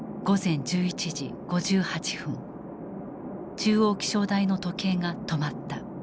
中央気象台の時計が止まった。